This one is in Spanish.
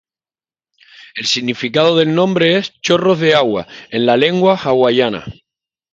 El significado del nombre es "chorros de agua" en la lengua hawaiana.